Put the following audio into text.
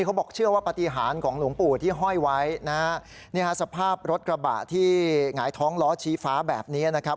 เขาบอกว่าเชื่อว่าปฏิหารของหลวงปู่ที่ห้อยไว้นะฮะนี่ฮะสภาพรถกระบะที่หงายท้องล้อชี้ฟ้าแบบนี้นะครับ